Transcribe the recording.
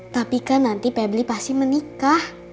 tapi kan nanti pebli pasti menikah